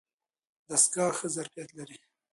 دستګاه ښه ظرفیت لري.